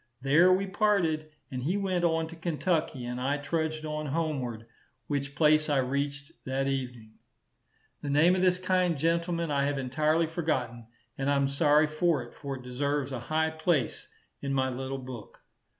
There we parted, and he went on to Kentucky and I trudged on homeward, which place I reached that evening. The name of this kind gentleman I have entirely forgotten, and I am sorry for it; for it deserves a high place in my little book.